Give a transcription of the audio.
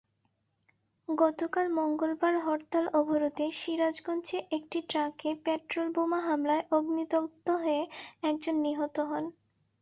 গতকাল মঙ্গলবার হরতাল-অবরোধে সিরাজগঞ্জে একটি ট্রাকে পেট্রলবোমা হামলায় অগ্নিদগ্ধ হয়ে একজন নিহত হন।